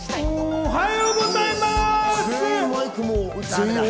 おはようございます。